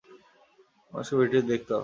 মানুষকে ভিডিওটি দেখতে দাও।